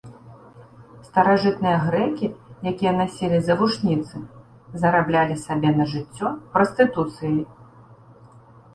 Старажытныя грэкі, якія насілі завушніцы, зараблялі сабе на жыццё прастытуцыяй.